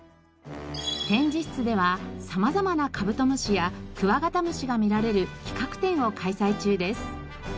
展示室では様々なカブトムシやクワガタムシが見られる企画展を開催中です。